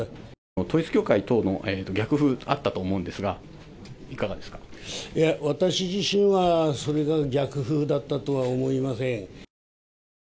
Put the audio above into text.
統一協会等の逆風、あったと思うんですが、いや、私自身はそれを逆風だったとは思いません。